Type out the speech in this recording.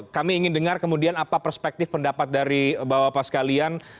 kami ingin dengar kemudian apa perspektif pendapat dari bapak bapak sekalian